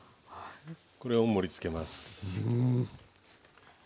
これを盛りつけます。